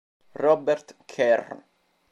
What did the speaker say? Robert Kerr